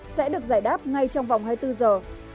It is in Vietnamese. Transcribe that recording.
sẽ được giải đáp ngay trong vòng hai mươi bốn giờ